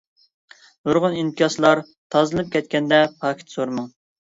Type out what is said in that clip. نۇرغۇن ئىنكاسلار تازىلىنىپ كەتكەندە پاكىت سورىماڭ.